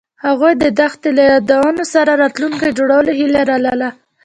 هغوی د دښته له یادونو سره راتلونکی جوړولو هیله لرله.